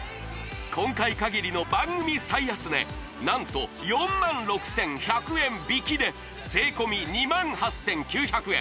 今回かぎりの番組最安値何と４６１００円引きで税込２８９００円